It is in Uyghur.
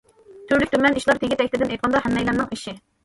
تۈرلۈك- تۈمەن ئىشلار تېگى- تەكتىدىن ئېيتقاندا ھەممەيلەننىڭ ئىشى.